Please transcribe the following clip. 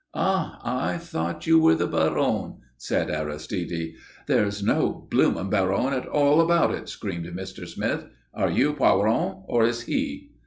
"Ah, I thought you were the Baron," said Aristide. "There's no blooming Baron at all about it!" screamed Mr. Smith. "Are you Poiron, or is he?"